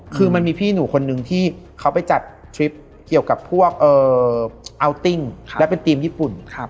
คือมันมีพี่หนูคนนึงที่เขาไปจัดทริปเกี่ยวกับพวกอัลติ้งและเป็นทีมญี่ปุ่น